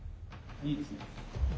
いいですね。